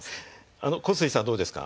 古水さんどうですか？